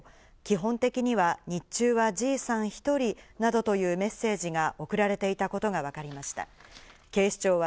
基本的には日中は爺さん１人」などというメッセージが送られていたことがわかりました。